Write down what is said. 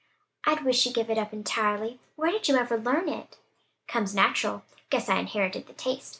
"I wish you'd give it up entirely. Where did you ever learn it?" "Comes natural; guess I inherited the taste.